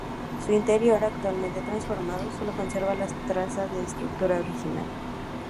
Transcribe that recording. Su interior, actualmente transformado, sólo conserva las trazas de la estructura original.